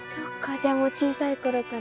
じゃあもう小さいころから？